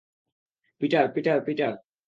Peter, Peter, Peter.